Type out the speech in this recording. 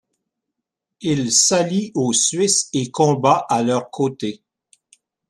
Il s'allie aux Suisses et combat à leur côté.